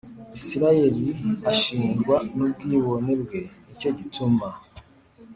Isirayeli ashinjwa n ubwibone bwe ni cyo gituma